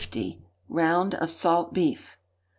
Round of Salt Beef.